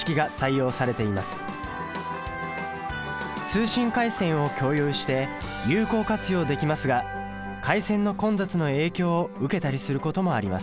通信回線を共有して有効活用できますが回線の混雑の影響を受けたりすることもあります。